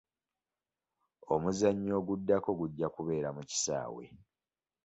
Omuzannyo oguddako gujja kubeera mu kisaawe.